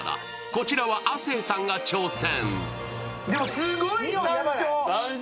こちらは亜生さんが挑戦。